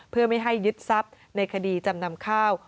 เพื่อไม่ให้ยึดทรัพย์ในคดีจำนำข้าว